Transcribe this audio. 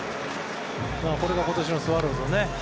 これが今年のスワローズですね。